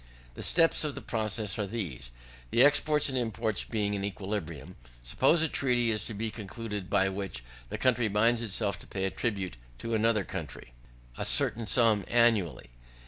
The steps of the process are these. The exports and imports being in equilibrium, suppose a treaty to be concluded, by which the country binds itself to pay in tribute to another country, a certain sum annually.